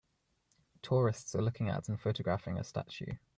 Tourists are looking at and photographing a statue.